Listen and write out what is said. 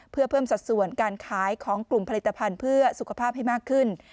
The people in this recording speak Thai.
เพื่อเพิ่มสัดส่วนการขายของกลุ่มผลิตภัณฑ์เพื่อสุขภาพให้มากขึ้น